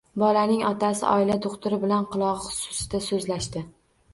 Bolaning otasi oila do`xtiri bilan qulog`i xususida so`zlashdi